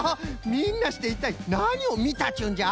みんなしていったいなにをみたっちゅうんじゃ？